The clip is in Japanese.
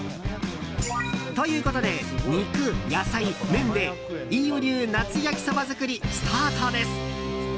ということで肉、野菜、麺で飯尾流夏焼きそば作りスタートです。